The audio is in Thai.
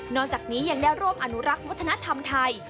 นอกจากนี้ยังแล้วร่มอนุรักษ์มธนธรรมไทย